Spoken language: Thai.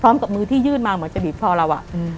พร้อมกับมือที่ยื่นมาเหมือนจะบีบคอเรา